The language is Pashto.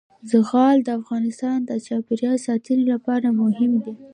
زغال د افغانستان د چاپیریال ساتنې لپاره مهم دي.